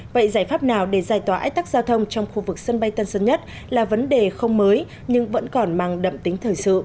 vậy giải pháp nào để giải tỏa ách tắc giao thông trong khu vực sân bay tân sơn nhất là vấn đề không mới nhưng vẫn còn mang đậm tính thời sự